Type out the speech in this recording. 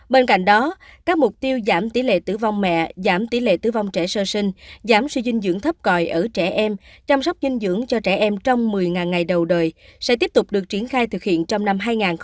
bên cạnh đó các mục tiêu giảm tỷ lệ tử vong mẹ giảm tỷ lệ tử vong trẻ sơ sinh giảm suy dinh dưỡng thấp còi ở trẻ em chăm sóc dinh dưỡng cho trẻ em trong một mươi ngày đầu đời sẽ tiếp tục được triển khai thực hiện trong năm hai nghìn hai mươi